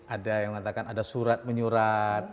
ada yang mengatakan ada surat menyurat